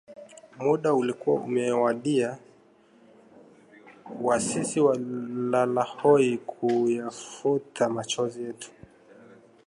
Muda ulikuwa umewadia wa sisi walalahoi kuyafuta machozi yetu